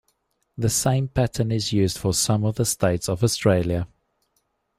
The same pattern is used for some of the states of Australia.